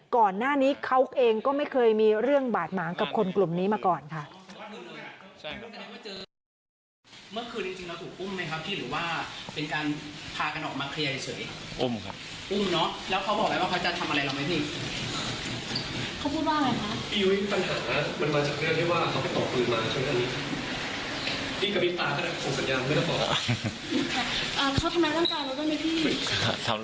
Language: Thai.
ก่อนหน้านี้เขาเองก็ไม่เคยมีเรื่องบาดหมางกับคนกลุ่มนี้มาก่อนค่ะ